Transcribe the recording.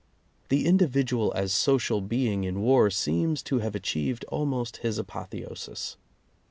The individual as social being in war seems to have achieved almost his apotheosis.